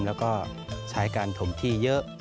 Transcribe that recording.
แล้วก็ใช้การถมที่เยอะ